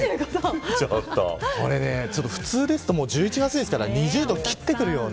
普通ですと、もう１１月ですから２０度をきってくるような。